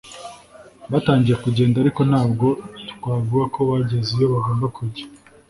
Batangiye kugenda ariko ntabwo twavuga ko bageze iyo bagomba kujya